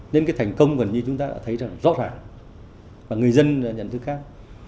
nên cái thành công gần như chúng ta đã thấy rõ ràng và người dân nhận thứ khác